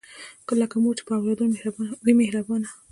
لکه مور چې پر اولاد وي مهربانه